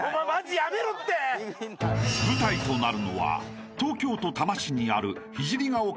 ［舞台となるのは東京都多摩市にある］